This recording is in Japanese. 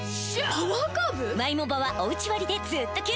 パワーカーブ